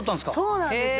そうなんですよ。